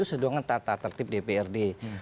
sedangkan tata tertib dprd